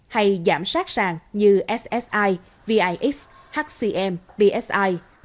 hay giảm sát sàng như ssi vix hcm bsi